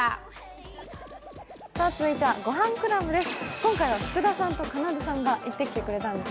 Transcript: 続いては「ごはんクラブ」です。